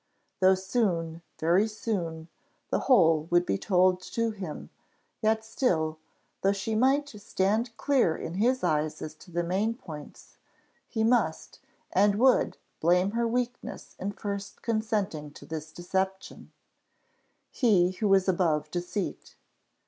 Though soon, very soon, the whole would be told to him, yet still, though she might stand clear in his eyes as to the main points, he must, and would blame her weakness in first consenting to this deception he who was above deceit.